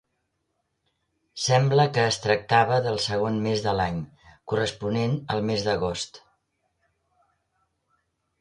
Sembla que es tractava del segon mes de l'any, corresponent al mes d'agost.